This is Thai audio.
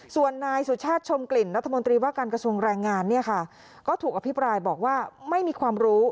ส่วนนายสุชาติชมกลิ่นรัฐมนตรีว่าการกระทรวงแรงงานเนี่ยค่ะก็ถูกอภิปรายบอกว่าไม่มีความรู้